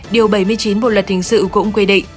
điều bảy mươi chín bộ luật hình sự cũng quy định